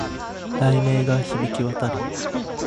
雷鳴が響き渡る